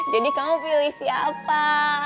jadi kamu pilih siapa